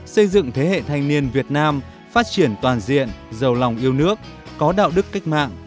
xây dựng thế hệ thanh niên việt nam phát triển toàn diện giàu lòng yêu nước có đạo đức cách mạng